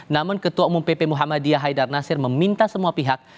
namun ketua umum pp muhammadiyah haidar nasir meminta semua pihak